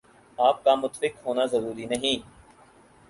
آپ کا متفق ہونا ضروری نہیں ۔